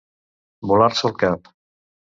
Volar-se el cap.